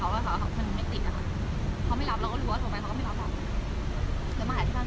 คือไม่ติดอะครับเขาไม่รับเราก็รู้ว่าโทรไปเขาก็ไม่รับหรอก